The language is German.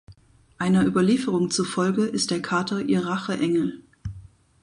Einer Überlieferung zufolge ist der Kater ihr Racheengel.